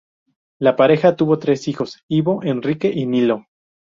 La pareja tuvo tres hijos: Ivo, Henrique y Nilo.